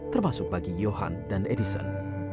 termasuk bagi johan dan edison